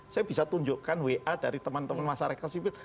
saya bisa tunjukkan wa dari teman teman masyarakat sipil